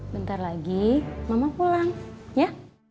bentar lagi mama pulang ya